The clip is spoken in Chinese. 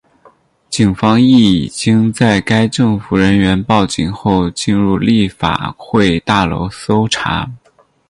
警方亦已经在该政府人员报警后进入立法会大楼搜查。